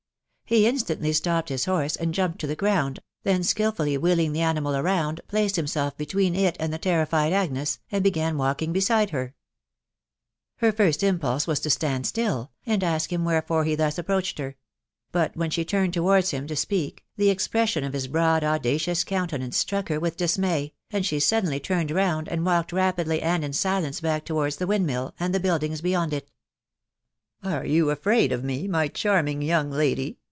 He instantly stopped his horse, and jumped to the ground, then skilfully wheeling the animal round, placed himself be tween it and the terrified Agnes, and began walking beside her/ Her tint impulse was to stand at\\\, axuV %^Ycotln&««Sm» 186 THE WIDOW BABNABT* he thus approached her ; but when she turned towards hoa,t» speak, the expression of hi? broad audacious oottnten— ct rtnuk her with dismay, and she suddenly turned round, and wattsd rapidly and in silence bock towards the windmill, a&di the buildings beyond it. " Are you afraid of me, my charming young lady?